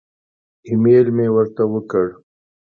ایمیل مې ورته وکړ.